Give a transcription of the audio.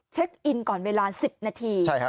เช็คอินก่อนเวลา๑๐นาที